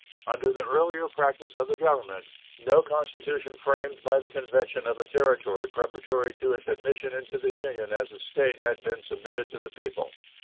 Under the earlier practice of the Government no constitution framed by the convention of a Territory preparatory to its admission into the Union as a State had been submitted to the people.